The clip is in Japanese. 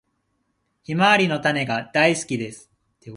ヒマワリの種が大好きです。